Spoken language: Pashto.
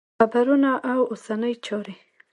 خبرونه او اوسنۍ چارې